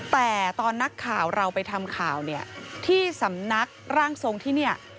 แต่ตอนนักข่าวเราไปทำข่าวเนี่ยที่สำนักร่างทรงที่เนี่ย